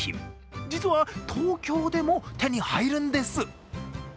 実は東京でも手に入るんです。